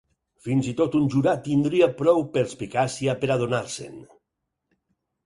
Fins i tot un jurat tindria prou perspicàcia per adonar-se'n.